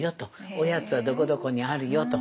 おやつはどこどこにあるよと。